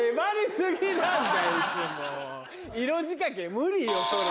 色仕掛け無理よそれ。